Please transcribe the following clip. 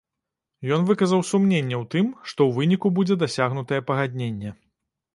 Ён выказаў сумненне ў тым, што ў выніку будзе дасягнутае пагадненне.